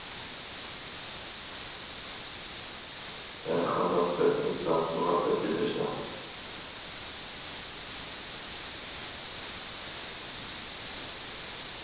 ھەر قانداق بىر ئىنسان مۇھەببەتكە تەشنا.